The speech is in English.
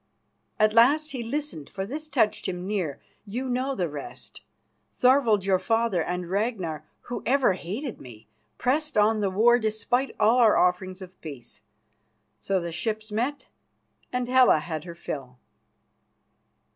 At last he listened, for this touched him near. You know the rest. Thorvald, your father, and Ragnar, who ever hated me, pressed on the war despite all our offerings of peace. So the ships met, and Hela had her fill."